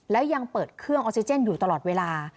แล้วยังเปิดเครื่องออกซิเจนอยู่ตลอดเวลา